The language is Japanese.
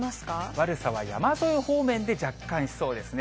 悪さは山沿い方面で若干しそうですね。